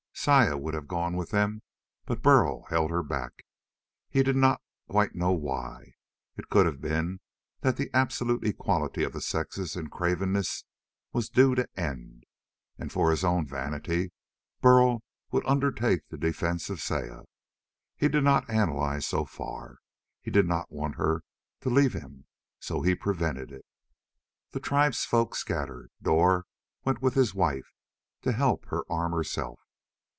Saya would have gone with them, but Burl held her back. He did not quite know why. It could have been that the absolute equality of the sexes in cravenness was due to end, and for his own vanity Burl would undertake the defense of Saya. He did not analyze so far. He did not want her to leave him, so he prevented it. The tribesfolk scattered. Dor went with his wife, to help her arm herself.